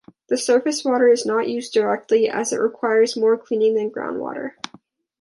The surface water is not used directly as it requires more cleaning than groundwater.